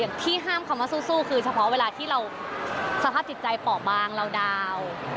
ที่ห้ามคำว่าสู้คือเฉพาะเวลาที่เราสภาพจิตใจป่อบางเราดาวน์